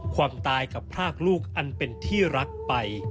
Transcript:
ความตายกับพรากลูกอันเป็นที่รักไป